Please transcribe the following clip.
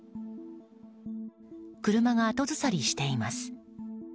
車が後ずさりしています。